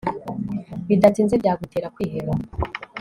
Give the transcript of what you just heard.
bidatinze byagutera kwiheba